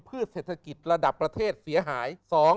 เศรษฐกิจระดับประเทศเสียหาย